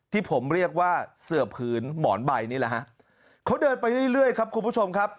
ที่ผมเรียกว่าเสือผืนหมอนใบนี่แหละฮะเขาเดินไปเรื่อยเรื่อยครับคุณผู้ชมครับ